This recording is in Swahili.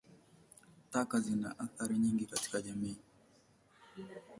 Taka zina athari nyingi katika jamii.